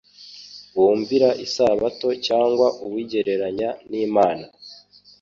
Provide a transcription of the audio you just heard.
wumvira isabato cyangwa uwigereranya n'Imana.